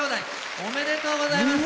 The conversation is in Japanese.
おめでとうございます。